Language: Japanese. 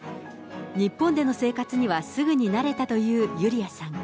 日本での生活にはすぐに慣れたというユリアさん。